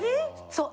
そう。